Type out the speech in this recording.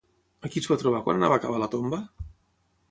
A qui es va trobar quan anava a cavar la tomba?